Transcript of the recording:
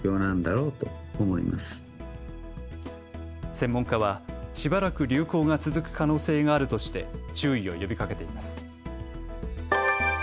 専門家はしばらく流行が続く可能性があるとして注意を呼びかけています。